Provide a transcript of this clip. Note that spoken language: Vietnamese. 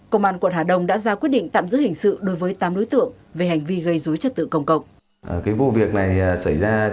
công an quận hà đông đã ra quyết định tạm giữ hình sự đối với tám đối tượng về hành vi gây dối trật tự công cộng